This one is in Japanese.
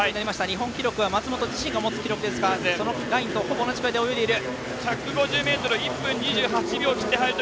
日本記録は松元自身が持つ記録ですがそのラインとほぼ同じラインで泳いでいる。